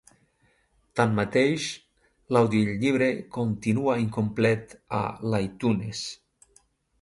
Tanmateix, l'audiollibre continua incomplet a l'iTunes.